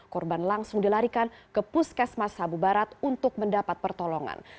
korban langsung dilarikan ke puskesmas sabu barat untuk mendapat pertolongan